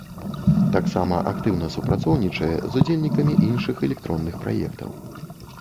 Таксама актыўна супрацоўнічае з удзельнікамі іншых электронных праектаў.